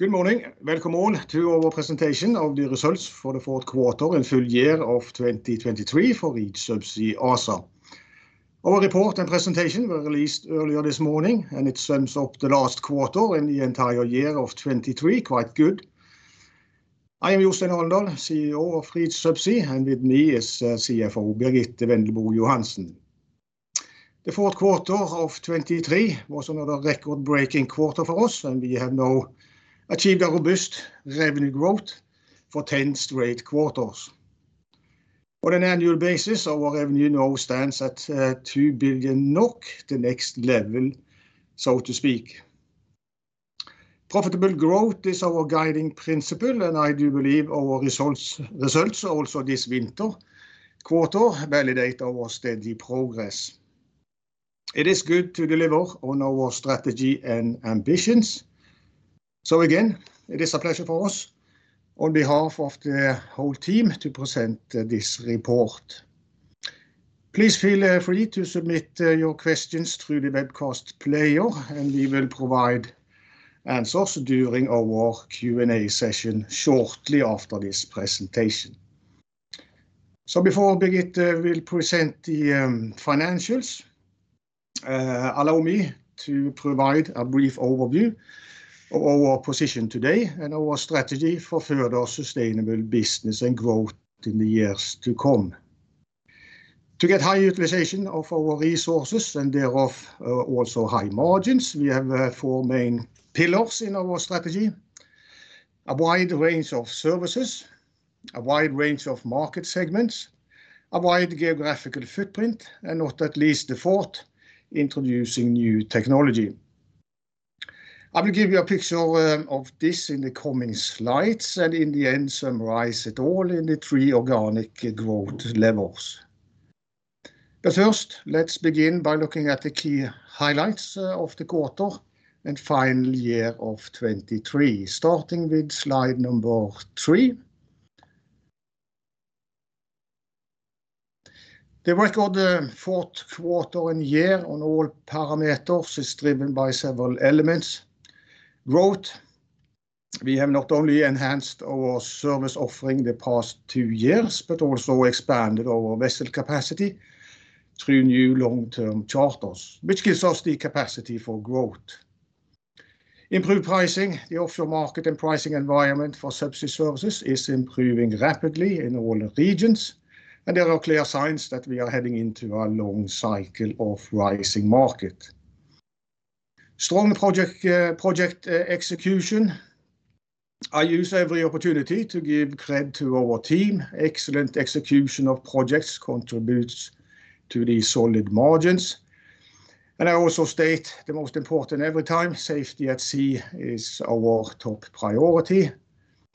Good morning! Welcome all to our presentation of the results for Q4 and full year of 2023 for Reach Subsea ASA. Our report and presentation were released earlier this morning, and it sums up the last quarter and the entire year of 2023 quite good. I am Jostein Alendal, CEO of Reach Subsea, and with me is CFO Birgitte Wendelbo Johansen. Q4 of 2023 was another record-breaking quarter for us, and we have now achieved a robust revenue growth for 10 straight quarters. On an annual basis, our revenue now stands at 2 billion NOK, the next level, so to speak. Profitable growth is our guiding principle, and I do believe our results, results also this winter quarter validate our steady progress. It is good to deliver on our strategy and ambitions. So again, it is a pleasure for us, on behalf of the whole team, to present this report. Please feel free to submit your questions through the webcast player, and we will provide answers during our Q&A session shortly after this presentation. So before Birgitte will present the financials, allow me to provide a brief overview of our position today and our strategy for further sustainable business and growth in the years to come. To get high utilization of our resources, and thereof also high margins, we have four main pillars in our strategy: a wide range of services, a wide range of market segments, a wide geographical footprint, and not at least the fourth, introducing new technology. I will give you a picture of this in the coming slides, and in the end, summarize it all in the three organic growth levels. But first, let's begin by looking at the key highlights of the quarter and final year of 2023, starting with slide number three. The record Q4 and year on all parameters is driven by several elements. Growth, we have not only enhanced our service offering the past two years, but also expanded our vessel capacity through new long-term charters, which gives us the capacity for growth. Improved pricing, the offshore market and pricing environment for Subsea services is improving rapidly in all the regions, and there are clear signs that we are heading into a long cycle of rising market. Strong project execution. I use every opportunity to give credit to our team. Excellent execution of projects contributes to the solid margins, and I also state the most important every time, safety at sea is our top priority.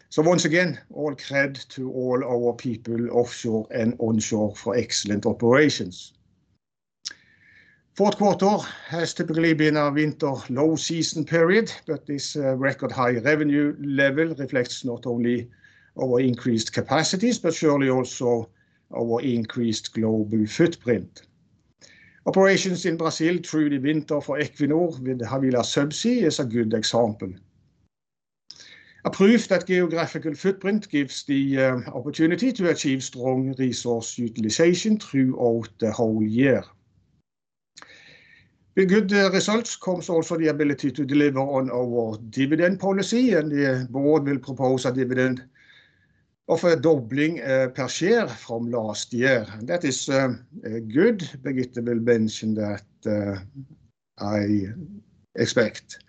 So once again, all credit to all our people offshore and onshore for excellent operations. Q4 has typically been a winter low season period, but this record high revenue level reflects not only our increased capacities, but surely also our increased global footprint. Operations in Brazil through the winter for Equinor with Havila Subsea is a good example. A proof that geographical footprint gives the opportunity to achieve strong resource utilization throughout the whole year. The good results comes also the ability to deliver on our dividend policy, and the board will propose a dividend of a doubling per share from last year. That is good. Birgitte will mention that, I expect.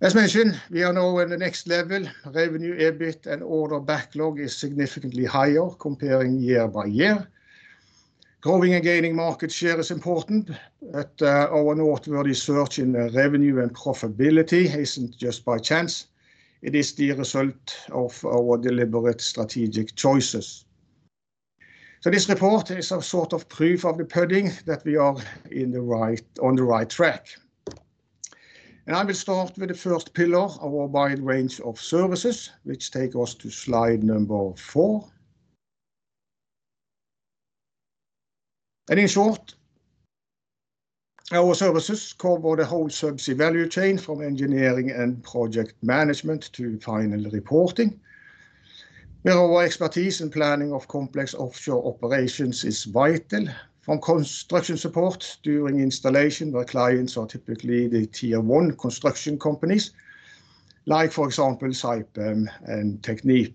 As mentioned, we are now in the next level, revenue, EBIT and order backlog is significantly higher comparing year-by-year. Growing and gaining market share is important, but our noteworthy search in revenue and profitability isn't just by chance, it is the result of our deliberate strategic choices. So this report is a sort of proof of the pudding, that we are on the right track. I will start with the first pillar, our wide range of services, which take us to slide number four. In short, our services cover the whole subsea value chain, from engineering and project management to final reporting, where our expertise in planning of complex offshore operations is vital. From construction support during installation, where clients are typically the tier one construction companies, like, for example, Saipem and Technip.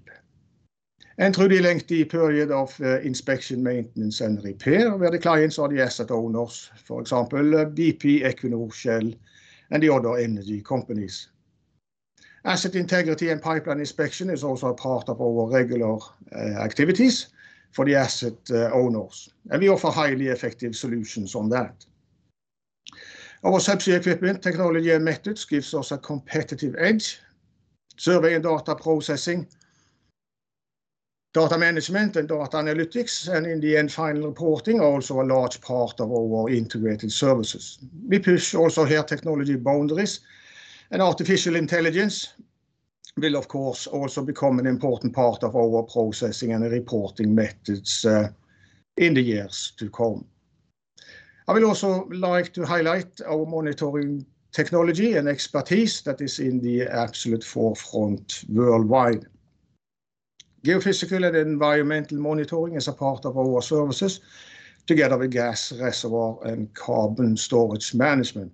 Through the lengthy period of inspection, maintenance and repair, where the clients are the asset owners, for example, BP, Equinor, Shell and the other energy companies. Asset integrity and pipeline inspection is also a part of our regular activities for the asset owners, and we offer highly effective solutions on that. Our subsea equipment, technology and methods gives us a competitive edge. Survey and data processing, data management and data analytics, and in the end, final reporting are also a large part of our integrated services. We push also here technology boundaries, and artificial intelligence will, of course, also become an important part of our processing and reporting methods in the years to come. I would also like to highlight our monitoring technology and expertise that is in the absolute forefront worldwide. Geophysical and environmental monitoring is a part of our services, together with gas reservoir and carbon storage management.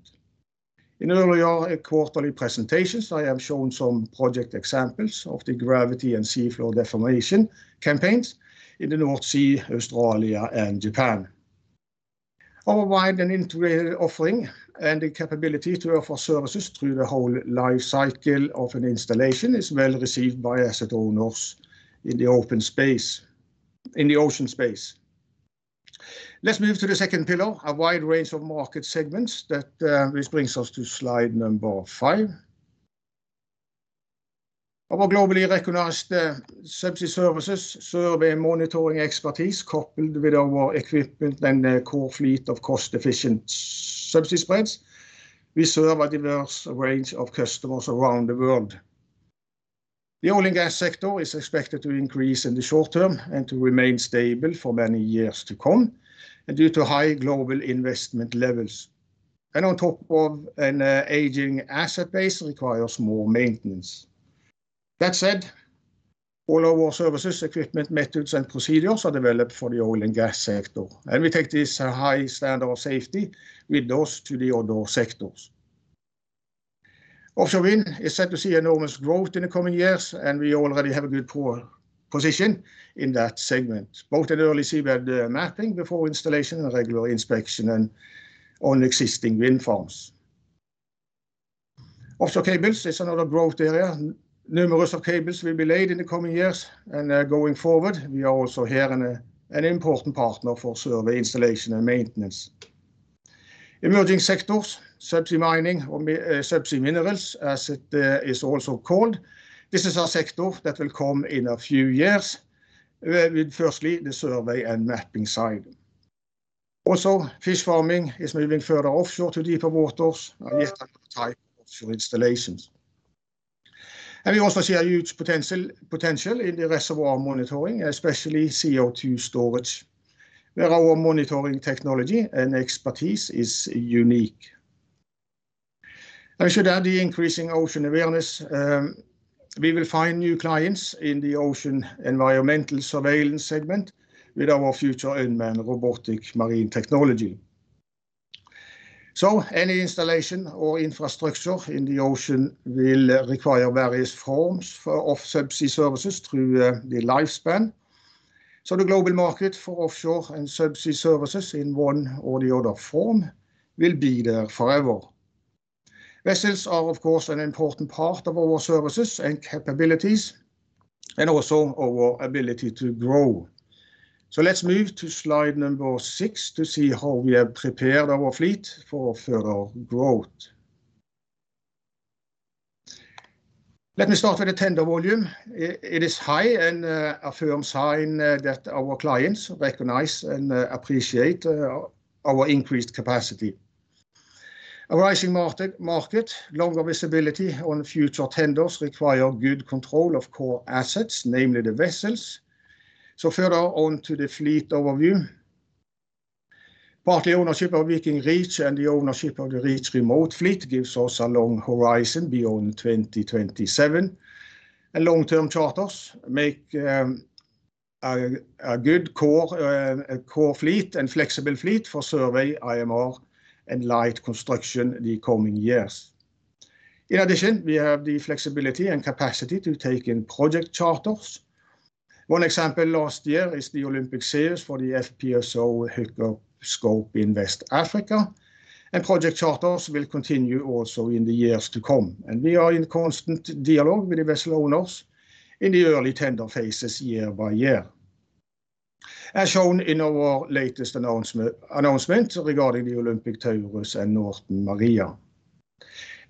In earlier quarterly presentations, I have shown some project examples of the gravity and seafloor deformation campaigns in the North Sea, Australia, and Japan. Our wide and integrated offering and the capability to offer services through the whole life cycle of an installation is well-received by asset owners in the open space, in the ocean space. Let's move to the second pillar, a wide range of market segments that which brings us to slide number five. Our globally recognized subsea services, survey and monitoring expertise, coupled with our equipment and the core fleet of cost-efficient subsea spreads. We serve a diverse range of customers around the world. The oil and gas sector is expected to increase in the short term and to remain stable for many years to come, and due to high global investment levels. On top of an aging asset base requires more maintenance. That said, all our services, equipment, methods, and procedures are developed for the oil and gas sector, and we take this high standard of safety with us to the other sectors. Offshore wind is set to see enormous growth in the coming years, and we already have a good, pole position in that segment, both in early seabed mapping before installation and regular inspection and on existing wind farms. Offshore cables is another growth area. Numerous of cables will be laid in the coming years, and going forward, we are also here an important partner for survey installation and maintenance. Emerging sectors, subsea mining, or subsea minerals, as it is also called. This is a sector that will come in a few years, with firstly the survey and mapping side. Also, fish farming is moving further offshore to deeper waters, and yet type offshore installations. And we also see a huge potential in the reservoir monitoring, especially CO2 storage, where our monitoring technology and expertise is unique. I should add the increasing ocean awareness, we will find new clients in the ocean environmental surveillance segment with our future unmanned robotic marine technology. So any installation or infrastructure in the ocean will require various forms of subsea services through the lifespan. So the global market for offshore and subsea services in one or the other form will be there forever. Vessels are, of course, an important part of our services and capabilities, and also our ability to grow. So let's move to slide number six to see how we have prepared our fleet for further growth. Let me start with the tender volume. It is high, and a firm sign that our clients recognize and appreciate our increased capacity. A rising market, longer visibility on future tenders require good control of core assets, namely the vessels. So further on to the fleet overview. Partly ownership of Viking Reach and the ownership of the Reach Remote fleet gives us a long horizon beyond 2027. And long-term charters make a good core, a core fleet and flexible fleet for survey IMR and light construction the coming years. In addition, we have the flexibility and capacity to take in project charters. One example last year is the Olympic Ares for the FPSO Helix scope in West Africa, and project charters will continue also in the years to come, and we are in constant dialogue with the vessel owners in the early tender phases year-by-year. As shown in our latest announcement, announcement regarding the Olympic Taurus and Northern Maria.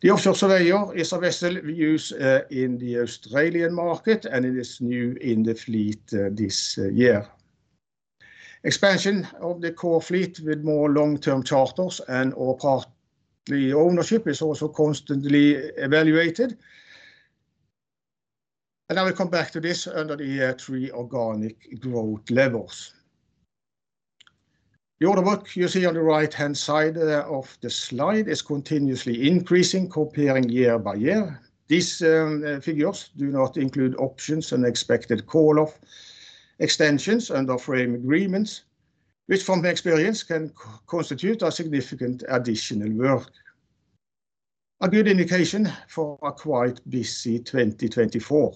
The Offshore Surveyor is a vessel we use, in the Australian market, and it is new in the fleet, this year. Expansion of the core fleet with more long-term charters and or partly ownership is also constantly evaluated, and I will come back to this under the year three organic growth levels. The order book you see on the right-hand side, of the slide is continuously increasing comparing year-by-year. These figures do not include options and expected call-off extensions under frame agreements, which from experience can constitute a significant additional work. A good indication for a quite busy 2024.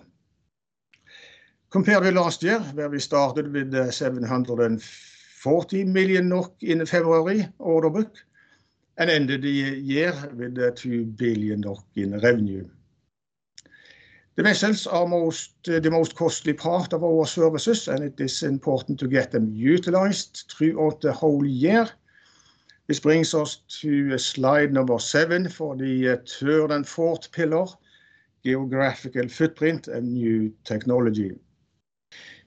Compared to last year, where we started with 740 million NOK in February order book and ended the year with 2 billion NOK in revenue. The vessels are the most costly part of our services, and it is important to get them utilized throughout the whole year. This brings us to slide number seven for the third and fourth pillar, geographical footprint and new technology.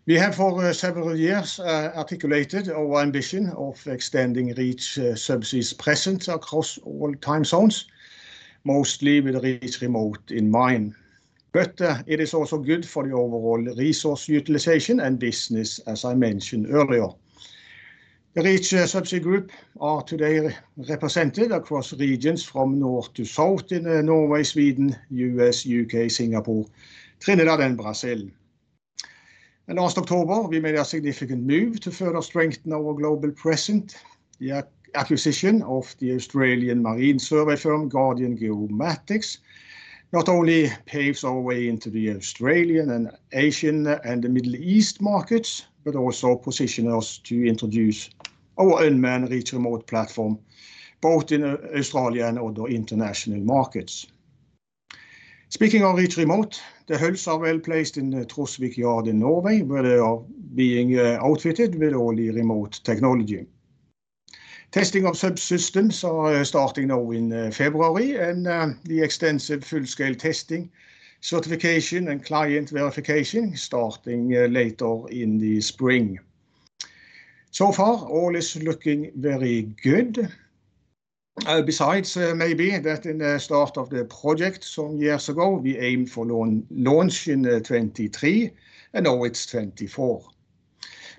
We have for several years articulated our ambition of extending Reach Subsea's presence across all time zones, mostly with Reach Remote in mind... but it is also good for the overall resource utilization and business, as I mentioned earlier. The Reach Subsea Group are today represented across regions from north to south in Norway, Sweden, US, UK, Singapore, Trinidad, and Brazil. Last October, we made a significant move to further strengthen our global presence. The acquisition of the Australian marine survey firm, Guardian Geomatics, not only paves our way into the Australian and Asian and the Middle East markets, but also position us to introduce our unmanned Reach Remote platform, both in Australia and other international markets. Speaking of Reach Remote, the hulls are well placed in the Trosvik yard in Norway, where they are being outfitted with all the remote technology. Testing of subsystems are starting now in February, and the extensive full-scale testing, certification, and client verification starting later in the spring. So far, all is looking very good. Besides, maybe that in the start of the project some years ago, we aimed for launch in 2023, and now it's 2024.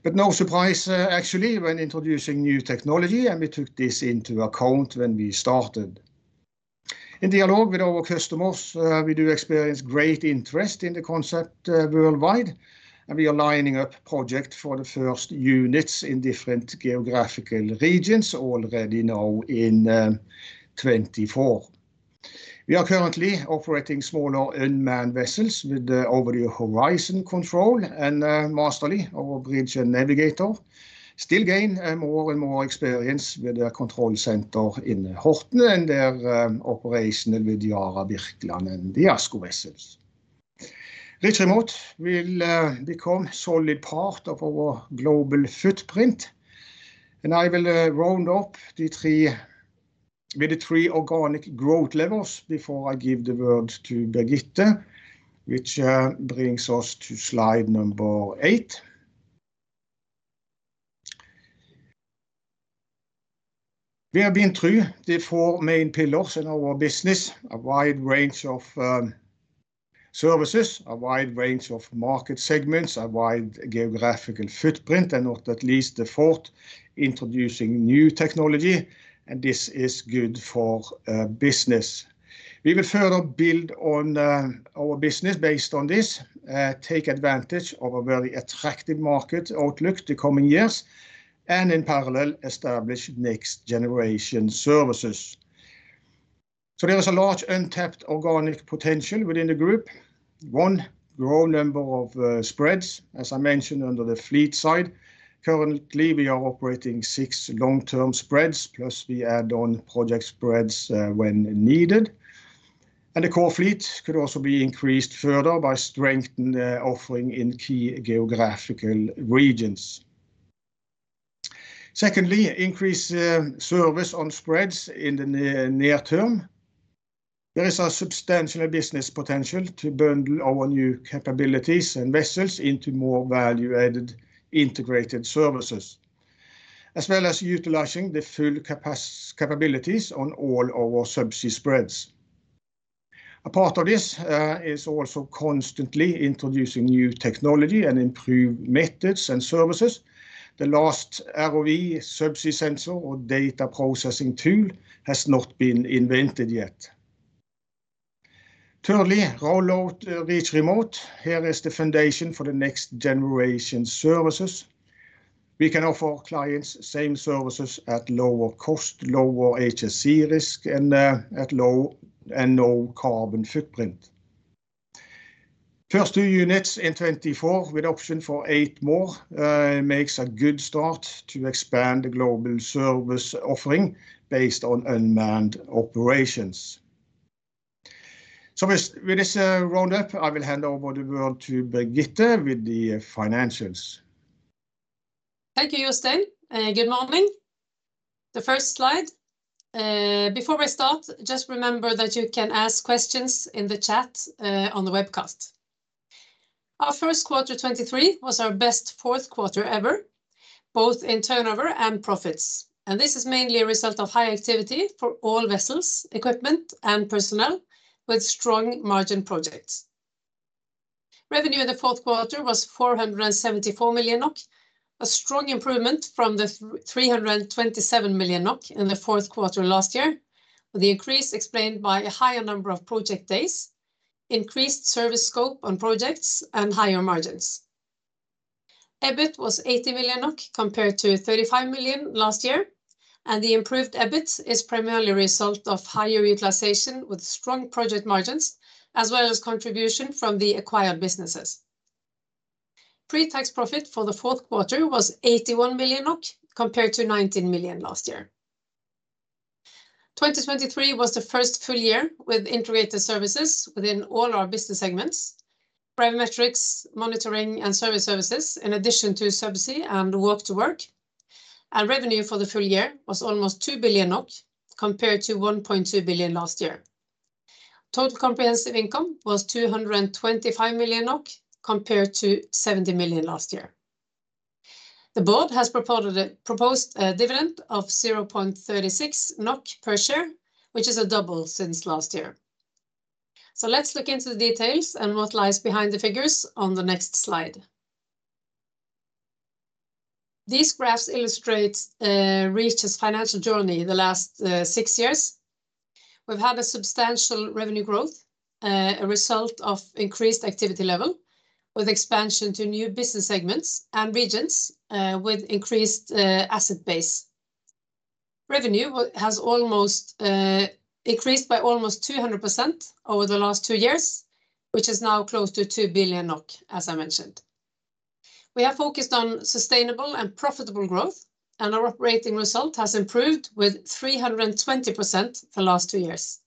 But no surprise, actually when introducing new technology, and we took this into account when we started. In dialogue with our customers, we do experience great interest in the concept, worldwide, and we are lining up project for the first units in different geographical regions already now in 2024. We are currently operating smaller unmanned vessels with the over-the-horizon control and, Massterly our bridge and navigator still gain, more and more experience with the control center in Horten and their operational with Yara Birkeland and the ASKO vessels. Reach Remote will become solid part of our global footprint, and I will round up the three with the three organic growth levels before I give the word to Birgitte, which brings us to slide number eight. We have been through the four main pillars in our business: a wide range of services, a wide range of market segments, a wide geographical footprint, and not least the fourth, introducing new technology, and this is good for business. We will further build on our business based on this, take advantage of a very attractive market outlook the coming years, and in parallel, establish next-generation services. So there is a large untapped organic potential within the group. One, grow number of spreads, as I mentioned under the fleet side. Currently, we are operating six long-term spreads, plus we add on project spreads when needed, and the core fleet could also be increased further by strengthening the offering in key geographical regions. Secondly, increase service on spreads in the near term. There is a substantial business potential to bundle our new capabilities and vessels into more value-added integrated services, as well as utilizing the full capabilities on all our Subsea spreads. A part of this is also constantly introducing new technology and improved methods and services. The last ROV Subsea sensor or data processing tool has not been invented yet. Thirdly, roll out Reach Remote. Here is the foundation for the next-generation services. We can offer clients same services at lower cost, lower HSE risk, and at low and low carbon footprint. First two units in 2024, with option for eight more, makes a good start to expand the global service offering based on unmanned operations. So with, with this, roundup, I will hand over the floor to Birgitte with the financials. Thank you, Jostein. Good morning. The first slide, before we start, just remember that you can ask questions in the chat, on the webcast. Our Q1 2023 was our best Q4 ever, both in turnover and profits, and this is mainly a result of high activity for all vessels, equipment, and personnel with strong margin projects. Revenue in Q4 was 474 million NOK, a strong improvement from the three hundred and twenty-seven million NOK in Q4 last year, with the increase explained by a higher number of project days, increased service scope on projects, and higher margins. EBIT was 80 million, compared to 35 million last year, and the improved EBIT is primarily a result of higher utilization with strong project margins, as well as contribution from the acquired businesses. Pre-tax profit for Q4 was 81 million, compared to 19 million last year. 2023 was the first full year with integrated services within all our business segments, primetrics, monitoring, and service services, in addition to Subsea and Work to Work. Revenue for the full year was almost 2 billion NOK, compared to 1.2 billion last year. Total comprehensive income was 225 million NOK, compared to 70 million last year. The board has proposed a dividend of 0.36 NOK per share, which is a double since last year. So let's look into the details and what lies behind the figures on the next slide. These graphs illustrate Reach's financial journey the last six years. We've had a substantial revenue growth, a result of increased activity level, with expansion to new business segments and regions, with increased asset base. Revenue has almost increased by almost 200% over the last two years, which is now close to 2 billion NOK, as I mentioned. We are focused on sustainable and profitable growth, and our operating result has improved with 320% the last two years.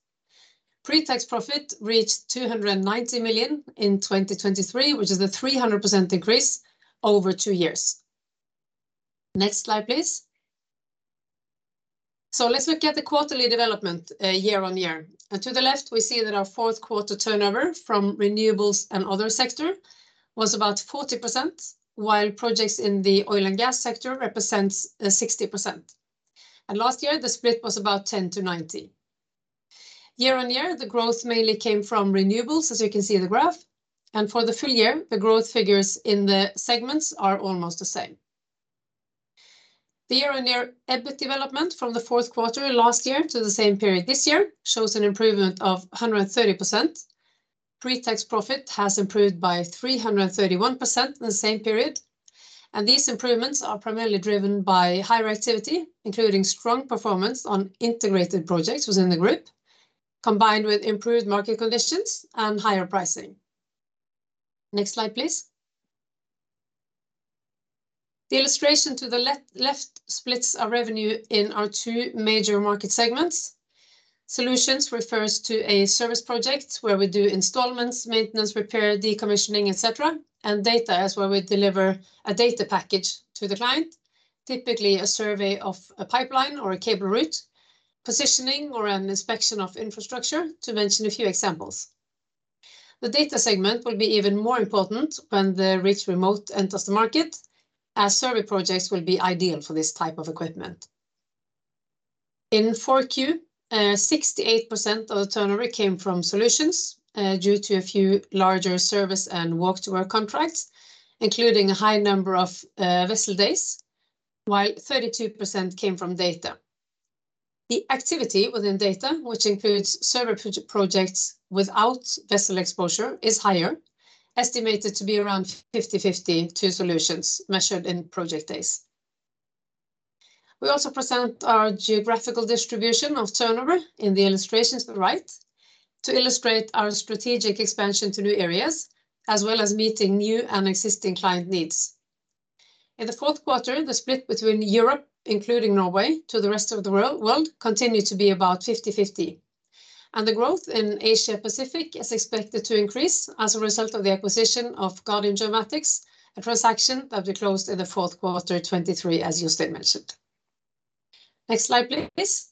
Pre-tax profit reached 290 million in 2023, which is a 300% increase over two years. Next slide, please. So let's look at the quarterly development, year-on-year. To the left, we see that our Q4 turnover from renewables and other sector was about 40%, while projects in the oil and gas sector represents 60%, and last year the split was about 10%-90%. Year-on-year, the growth mainly came from renewables, as you can see in the graph, and for the full year, the growth figures in the segments are almost the same. The year-on-year EBIT development from Q4 last year to the same period this year shows an improvement of 130%. Pre-tax profit has improved by 331% in the same period, and these improvements are primarily driven by higher activity, including strong performance on integrated projects within the group, combined with improved market conditions and higher pricing. Next slide, please. The illustration to the left splits our revenue in our two major market segments. Solutions refers to a service project where we do installments, maintenance, repair, decommissioning, et cetera, and data is where we deliver a data package to the client, typically a survey of a pipeline or a cable route, positioning or an inspection of infrastructure, to mention a few examples. The data segment will be even more important when the Reach Remote enters the market, as survey projects will be ideal for this type of equipment. In Q4, 68% of the turnover came from solutions, due to a few larger service and walk-to-work contracts, including a high number of vessel days, while 32% came from data. The activity within data, which includes survey projects without vessel exposure, is higher, estimated to be around 50/50 to solutions measured in project days. We also present our geographical distribution of turnover in the illustrations to the right, to illustrate our strategic expansion to new areas, as well as meeting new and existing client needs. In Q4, the split between Europe, including Norway, to the rest of the world continued to be about 50/50, and the growth in Asia Pacific is expected to increase as a result of the acquisition of Guardian Geomatics, a transaction that we closed in Q4 2023, as Jostein mentioned. Next slide, please.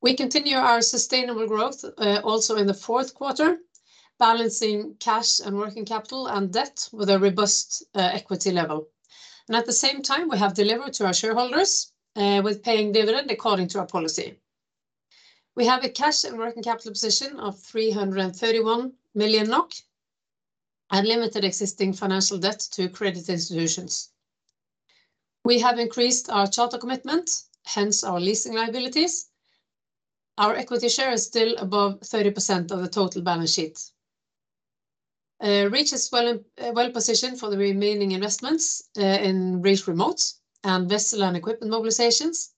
We continue our sustainable growth also in Q4, balancing cash and working capital and debt with a robust equity level. At the same time, we have delivered to our shareholders with paying dividend according to our policy. We have a cash and working capital position of 331 million NOK and limited existing financial debt to credit institutions. We have increased our charter commitment, hence our leasing liabilities. Our equity share is still above 30% of the total balance sheet. Reach is well positioned for the remaining investments in Reach Remote and vessel and equipment mobilizations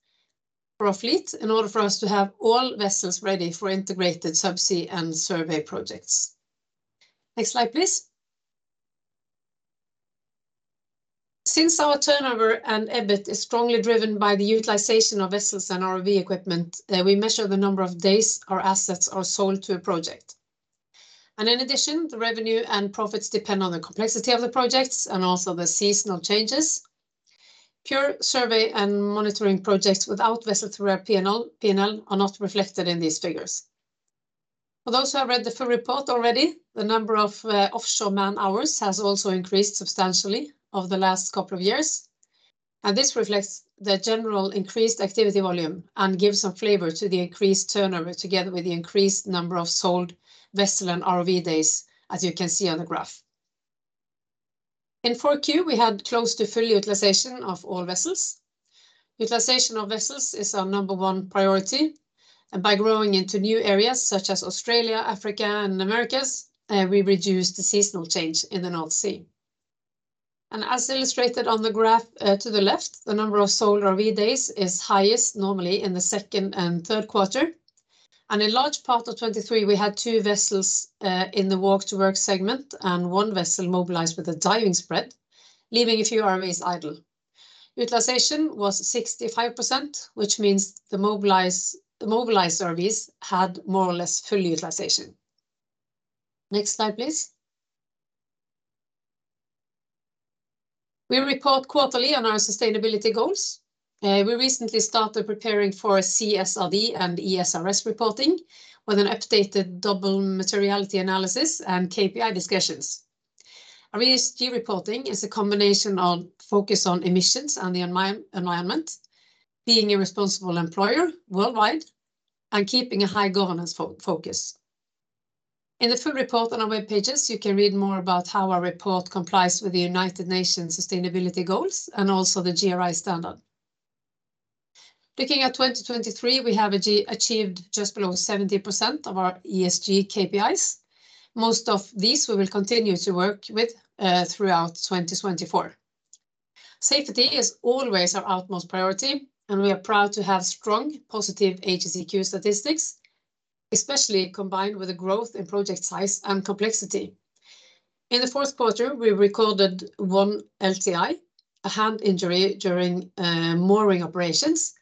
for our fleet, in order for us to have all vessels ready for integrated subsea and survey projects. Next slide, please. Since our turnover and EBIT is strongly driven by the utilization of vessels and ROV equipment, we measure the number of days our assets are sold to a project. In addition, the revenue and profits depend on the complexity of the projects and also the seasonal changes. Pure survey and monitoring projects without vessel through our P&L, P&L are not reflected in these figures. For those who have read the full report already, the number of offshore man-hours has also increased substantially over the last couple of years, and this reflects the general increased activity volume and gives some flavor to the increased turnover, together with the increased number of sold vessel and ROV days, as you can see on the graph. In Q4, we had close to full utilization of all vessels. Utilization of vessels is our number one priority, and by growing into new areas, such as Australia, Africa, and the Americas, we reduce the seasonal change in the North Sea. As illustrated on the graph to the left, the number of sold ROV days is highest normally in Q2 and Q3, and a large part of 2023, we had two vessels in the walk-to-work segment and one vessel mobilized with a diving spread, leaving a few ROVs idle. Utilization was 65%, which means the mobilized ROVs had more or less full utilization. Next slide, please. We report quarterly on our sustainability goals. We recently started preparing for CSRD and ESRS reporting with an updated double materiality analysis and KPI discussions. Our ESG reporting is a combination of focus on emissions and the environment, being a responsible employer worldwide, and keeping a high governance focus. In the full report on our web pages, you can read more about how our report complies with the United Nations sustainability goals and also the GRI standard. Looking at 2023, we have achieved just below 70% of our ESG KPIs. Most of these we will continue to work with throughout 2024. Safety is always our utmost priority, and we are proud to have strong, positive HSEQ statistics, especially combined with the growth in project size and complexity. In Q4, we recorded one LTI, a hand injury during mooring operations.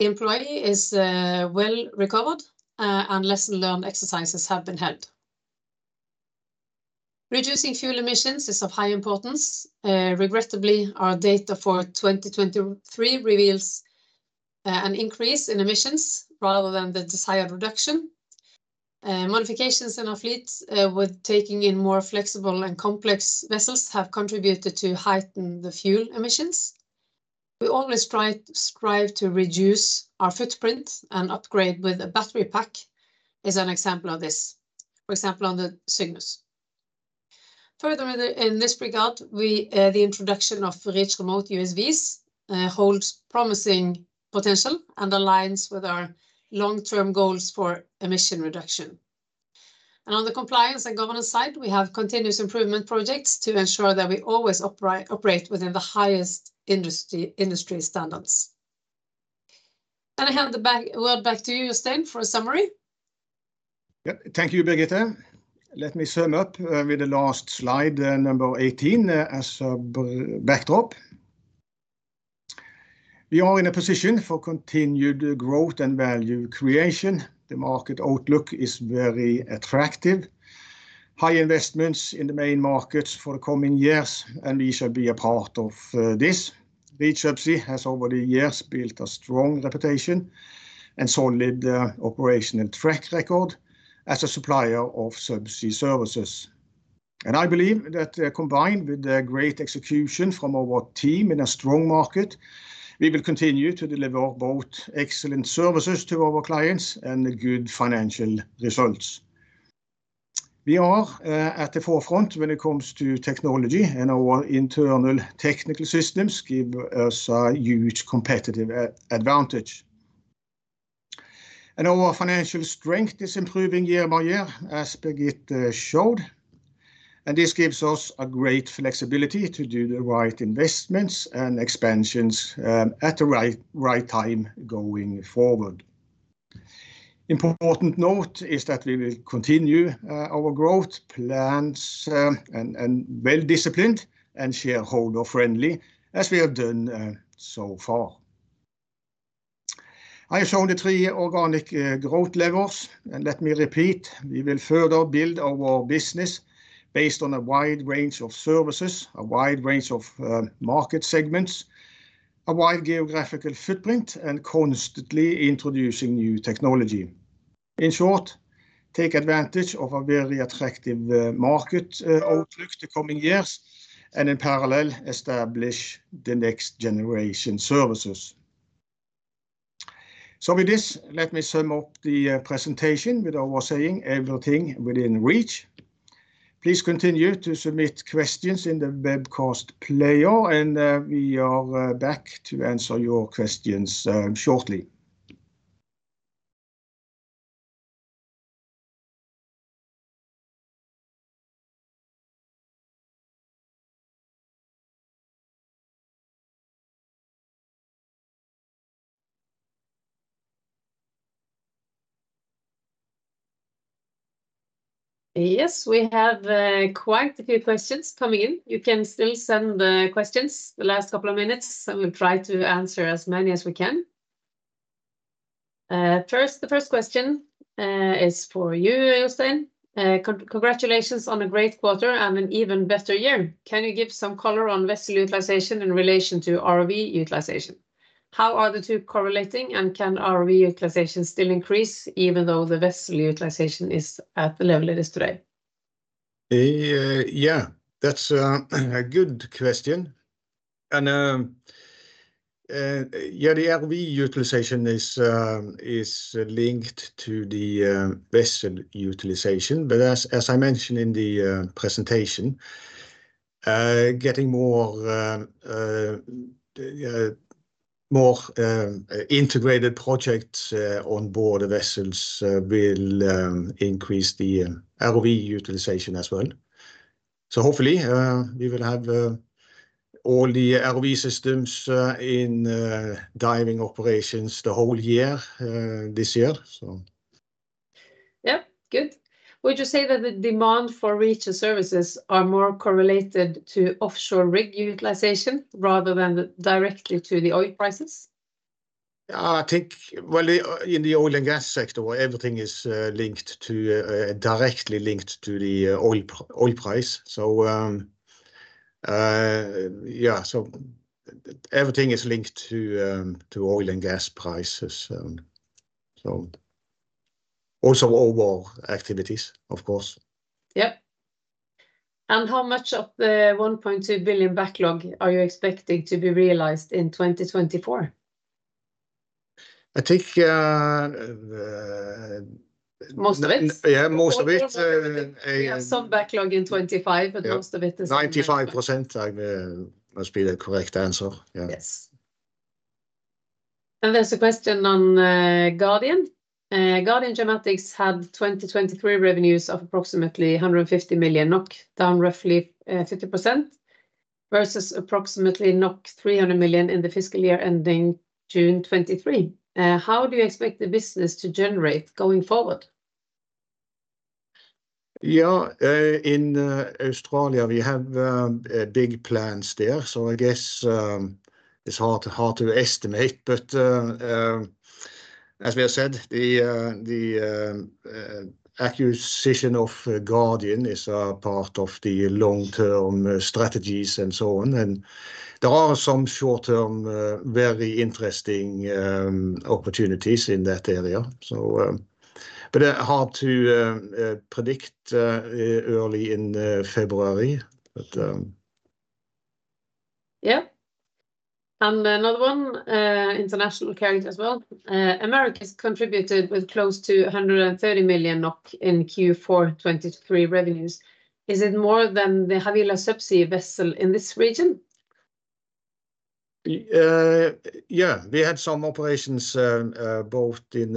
The employee is well recovered, and lesson learned exercises have been held. Reducing fuel emissions is of high importance. Regrettably, our data for 2023 reveals an increase in emissions rather than the desired reduction. Modifications in our fleets with taking in more flexible and complex vessels have contributed to heighten the fuel emissions. We always strive to reduce our footprint, and upgrade with a battery pack is an example of this, for example, on the Cygnus. Furthermore, in this regard, we, the introduction of Reach Remote USVs holds promising potential and aligns with our long-term goals for emission reduction. On the compliance and governance side, we have continuous improvement projects to ensure that we always operate within the highest industry standards. I hand it back, well, back to you, Jostein, for a summary. Yep, thank you, Birgitte. Let me sum up with the last slide, number 18, as a backdrop. We are in a position for continued growth and value creation. The market outlook is very attractive. High investments in the main markets for the coming years, and we shall be a part of this. Reach Subsea has over the years built a strong reputation and solid operational track record as a supplier of subsea services. And I believe that combined with the great execution from our team in a strong market, we will continue to deliver both excellent services to our clients and good financial results. We are at the forefront when it comes to technology, and our internal technical systems give us a huge competitive advantage. Our financial strength is improving year-by-year, as Birgitte showed, and this gives us a great flexibility to do the right investments and expansions at the right time going forward. Important note is that we will continue our growth plans and well-disciplined and shareholder-friendly, as we have done so far. I have shown the three organic growth levers, and let me repeat: we will further build our business based on a wide range of services, a wide range of market segments, a wide geographical footprint, and constantly introducing new technology. In short, take advantage of a very attractive market outlook the coming years, and in parallel, establish the next generation services. So with this, let me sum up the presentation with our saying, "Everything within reach." Please continue to submit questions in the webcast player, and we are back to answer your questions shortly. Yes, we have quite a few questions coming in. You can still send the questions the last couple of minutes, and we'll try to answer as many as we can. First, the first question is for you, Jostein. "Congratulations on a great quarter and an even better year. Can you give some color on vessel utilization in relation to ROV utilization? How are the two correlating, and can ROV utilization still increase, even though the vessel utilization is at the level it is today? Yeah, that's a good question, and yeah, the ROV utilization is linked to the vessel utilization, but as I mentioned in the presentation, getting more integrated projects on board the vessels will increase the ROV utilization as well. So hopefully, we will have all the ROV systems in diving operations the whole year this year, so. Yeah, good. Would you say that the demand for Reach and services are more correlated to offshore rig utilization rather than directly to the oil prices? ...Yeah, I think, well, in the oil and gas sector, where everything is linked to directly linked to the oil price. So, yeah, so everything is linked to oil and gas prices, so also overall activities, of course. Yep. And how much of the 1.2 billion backlog are you expecting to be realized in 2024? I think, Most of it. Yeah, most of it. Some backlog in 2025, but most of it is- 95% must be the correct answer. Yeah. Yes. And there's a question on Guardian. Guardian Geomatics had 2023 revenues of approximately 150 million NOK, down roughly 50%, versus approximately 300 million in the fiscal year ending June 2023. How do you expect the business to generate going forward? Yeah, in Australia, we have big plans there, so I guess it's hard, hard to estimate. But as we have said, the acquisition of Guardian is a part of the long-term strategies and so on, and there are some short-term very interesting opportunities in that area. So but it's hard to predict early in February, but... Yeah. And another one, international carried as well. Americas contributed with close to 130 million NOK in Q4 2023 revenues. Is it more than the Havila Subsea vessel in this region? Yeah, we had some operations both in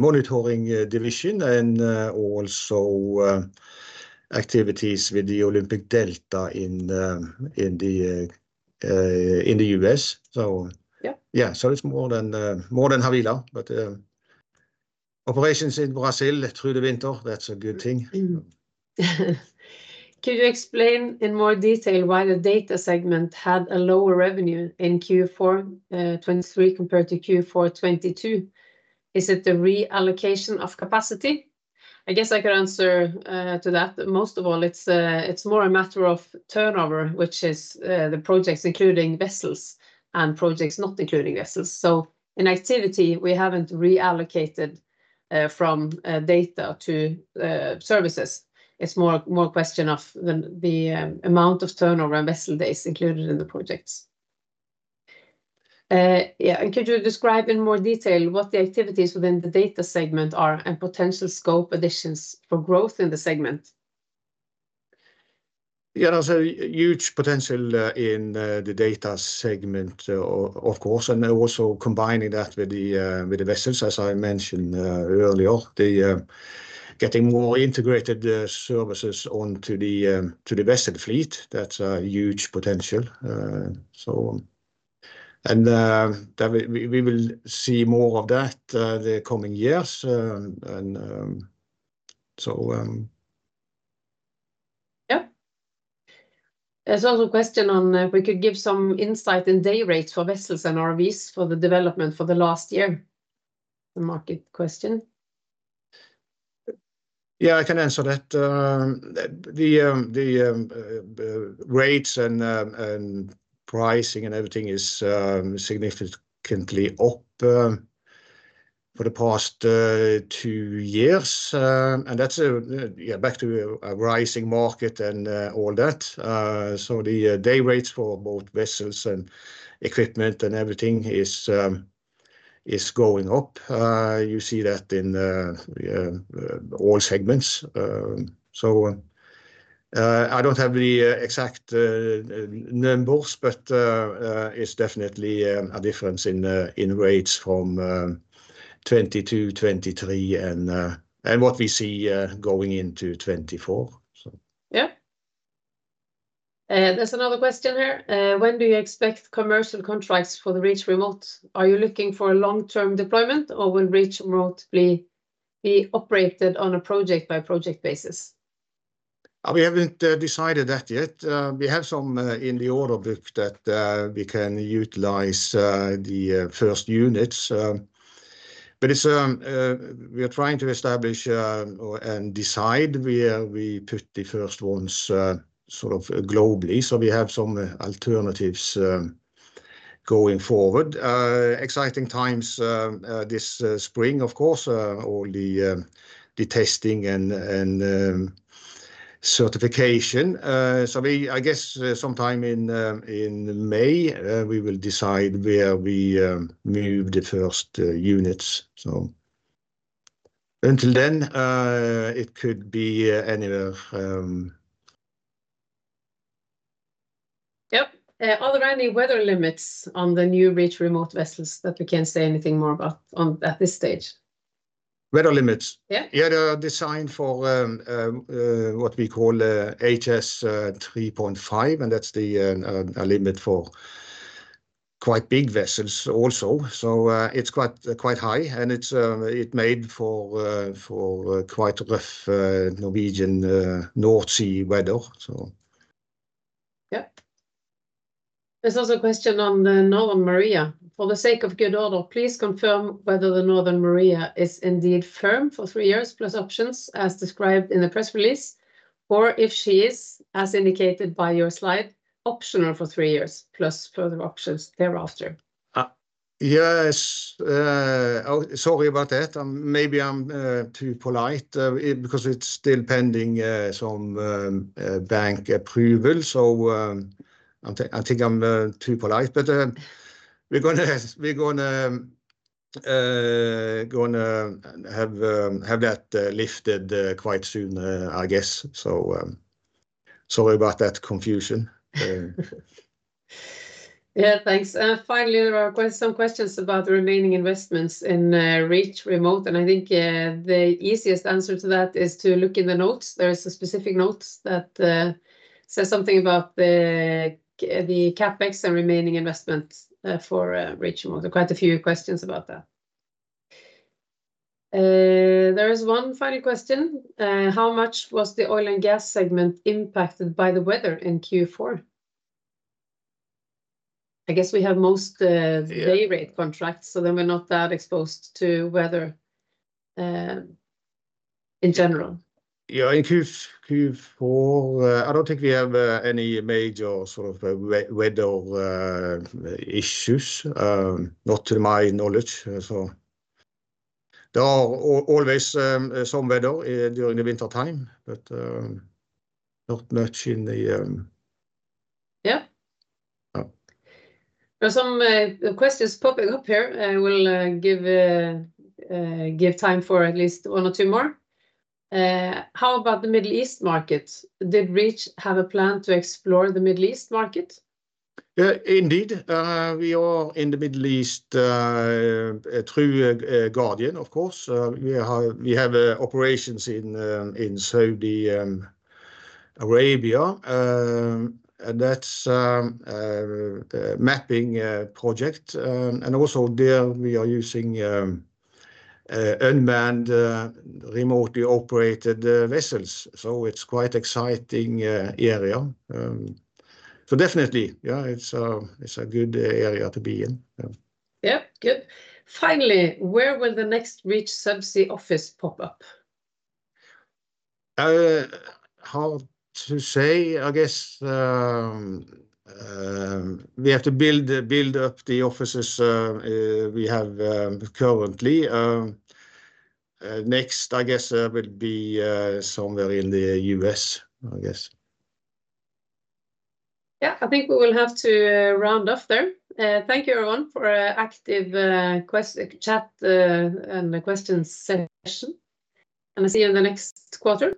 monitoring division and also activities with the Olympic Delta in the U.S. So- Yeah. Yeah, so it's more than Havila, but operations in Brazil through the winter, that's a good thing. Could you explain in more detail why the data segment had a lower revenue in Q4 2023 compared to Q4 2022? Is it the reallocation of capacity? I guess I could answer to that. Most of all, it's more a matter of turnover, which is the projects, including vessels and projects not including vessels. So in activity, we haven't reallocated from data to services. It's more a question of the amount of turnover and vessel days included in the projects. Yeah, and could you describe in more detail what the activities within the data segment are and potential scope additions for growth in the segment? Yeah, there's a huge potential in the data segment, of course, and also combining that with the vessels, as I mentioned earlier. Getting more integrated services onto the vessel fleet, that's a huge potential, so... And that we will see more of that the coming years, and so. Yeah. There's also a question on if we could give some insight in day rates for vessels and RVs for the development for the last year, the market question. Yeah, I can answer that. The rates and pricing and everything is significantly up for the past two years. That's, yeah, back to a rising market and all that. So the day rates for both vessels and equipment and everything is going up. You see that in all segments. So I don't have the exact numbers, but it's definitely a difference in rates from 2022, 2023 and what we see going into 2024, so. Yeah. There's another question here. When do you expect commercial contracts for the Reach Remote? Are you looking for a long-term deployment, or will Reach Remote be operated on a project-by-project basis? We haven't decided that yet. We have some in the order book that we can utilize the first units. But it's we are trying to establish or decide where we put the first ones sort of globally, so we have some alternatives going forward. Exciting times this spring, of course, all the testing and certification. So, I guess sometime in May we will decide where we move the first units, so. Until then, it could be anywhere. Yep. Are there any weather limits on the new Reach Remote vessels that we can say anything more about on, at this stage? Weather limits? Yeah. Yeah, they're designed for what we call HS 3.5, and that's the limit for quite big vessels also. So, it's quite, quite high, and it's it made for for quite rough Norwegian North Sea weather, so.... Yep. There's also a question on the Northern Maria: For the sake of good order, please confirm whether the Northern Maria is indeed firm for three years, plus options as described in the press release, or if she is, as indicated by your slide, optional for three years, plus further options thereafter? Yes, oh, sorry about that. Maybe I'm too polite because it's still pending some bank approval. So, I think I'm too polite, but we're gonna have that lifted quite soon, I guess so, sorry about that confusion. Yeah, thanks. Finally, there are some questions about the remaining investments in Reach Remote, and I think the easiest answer to that is to look in the notes. There is a specific note that says something about the CapEx and remaining investment for Reach Remote. There are quite a few questions about that. There is one final question: How much was the oil and gas segment impacted by the weather in Q4? I guess we have most. Yeah... day rate contracts, so then we're not that exposed to weather, in general. Yeah, in Q4, Q4, I don't think we have any major sort of weather issues, not to my knowledge, so there are always some weather during the wintertime, but not much in the, Yeah. Yeah. There are some questions popping up here. I will give time for at least one or two more. How about the Middle East market? Did Reach have a plan to explore the Middle East market? Yeah, indeed, we are in the Middle East through Guardian, of course. We have operations in Saudi Arabia, and that's a mapping project. And also there we are using unmanned remotely operated vessels, so it's quite exciting area. So definitely, yeah, it's a good area to be in. Yeah. Yeah, good. Finally, where will the next Reach Subsea office pop up? Hard to say. I guess we have to build up the offices we have currently. Next, I guess, will be somewhere in the U.S., I guess. Yeah, I think we will have to round off there. Thank you, everyone, for an active chat and a question session, and I'll see you in the next quarter.